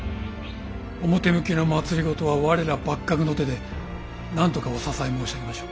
表向きの政は我ら幕閣の手でなんとかお支え申し上げましょう。